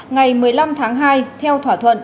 ngày một mươi năm tháng hai theo thỏa thuận